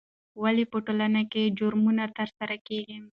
ولې په ټولنه کې جرمونه ترسره کیږي؟